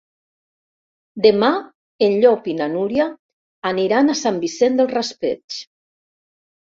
Demà en Llop i na Núria aniran a Sant Vicent del Raspeig.